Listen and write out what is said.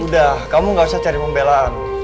udah kamu gak usah cari pembelaan